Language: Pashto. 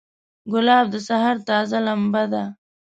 ګلاب د سحر تازه لمبه ده.